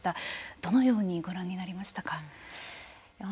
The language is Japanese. どのようにご覧になりましたか。